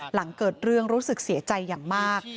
หลังเกิดเรื่องรู้สึกเสียใจอย่างมาก